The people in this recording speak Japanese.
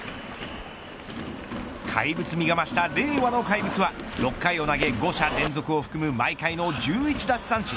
怪物みが増した令和の怪物は６回を投げ５者連続を含む毎回の１１奪三振。